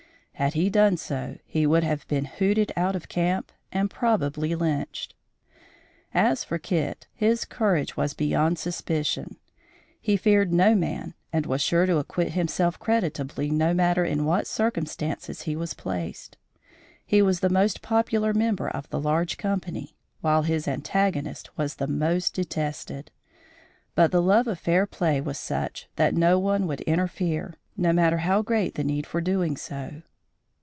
Had he done so, he would have been hooted out of camp and probably lynched. As for Kit, his courage was beyond suspicion. He feared no man and was sure to acquit himself creditably no matter in what circumstances he was placed. He was the most popular member of the large company, while his antagonist was the most detested; but the love of fair play was such that no one would interfere, no matter how great the need for doing so.